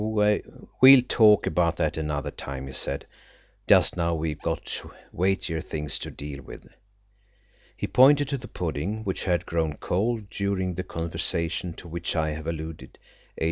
"We'll talk about that another time," he said; "just now we've got weightier things to deal with." He pointed to the pudding, which had grown cold during the conversation to which I have alluded. H.